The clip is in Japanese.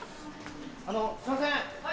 あのすいません！